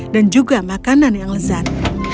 dan juga makanan yang lezat